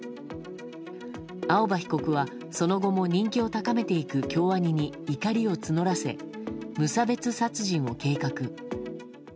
青葉被告はその後も人気を高めていく京アニに怒りを募らせ無差別殺人を計画。